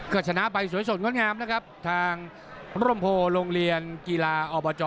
เกิดสนะไปสวยสนคนงามนะครับทางรมโพโรงเรียนกีฬาเอาบาตอ